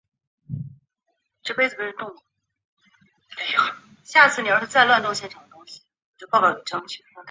嘧啶是胞嘧啶和胸腺嘧啶。